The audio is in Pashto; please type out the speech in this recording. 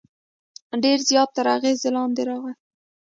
ډېر زیات تر اغېز لاندې راغی.